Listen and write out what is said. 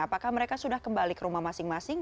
apakah mereka sudah kembali ke rumah masing masing